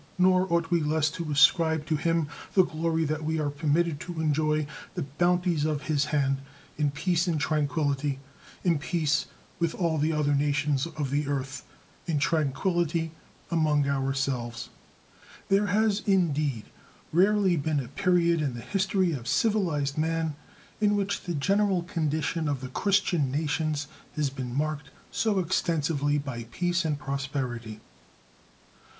Nor ought we less to ascribe to Him the glory that we are permitted to enjoy the bounties of His hand in peace and tranquillity in peace with all the other nations of the earth, in tranquillity among our selves. There has, indeed, rarely been a period in the history of civilized man in which the general condition of the Christian nations has been marked so extensively by peace and prosperity.